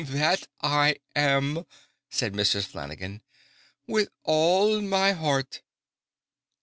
"That I am!" said Mrs. Flanagan. "With all my heart!"